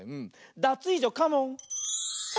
ダツイージョカモン！